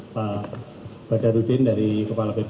pak badarudin dari kepala bpk